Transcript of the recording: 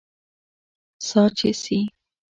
سا چې سي